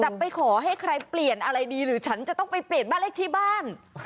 ไปขอให้ใครเปลี่ยนอะไรดีหรือฉันจะต้องไปเปลี่ยนบ้านเลขที่บ้าน